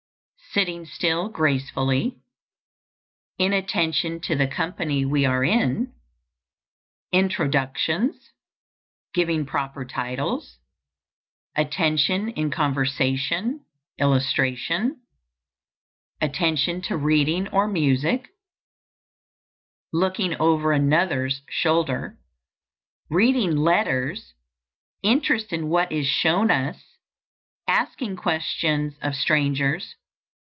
_ Sitting still gracefully. Inattention to the company we are in. Introductions. Giving proper titles. Attention in conversation, illustration. Attention to reading or music. Looking over another's shoulder. Reading letters. Interest in what is shown us. _Asking questions of strangers.